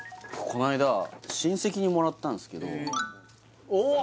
こないだ親戚にもらったんですけど・おっ！